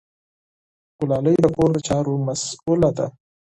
ګلالۍ د کور د چارو مسؤله ده.